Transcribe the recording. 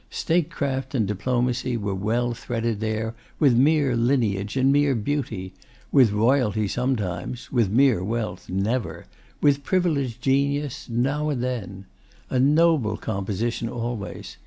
Statecraft and Diplomacy were well threaded there with mere Lineage and mere Beauty, with Royalty sometimes, with mere Wealth never, with privileged Genius now and then. A noble composition always.